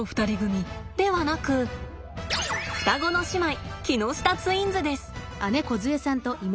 ではなく双子の姉妹木下ツインズです。